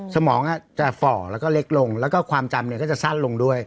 สมองจะฝ่อแล้วก็เล็กลงแล้วก็ความจำเนี่ยก็จะสั้นลงด้วย